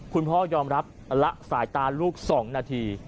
คุณพ่อยอมรับละสายตาลูก๒นาที